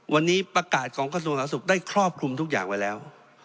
วันนี้ประกาศของกระทรวงสาธารสุขได้ครอบคลุมทุกอย่างไว้แล้ว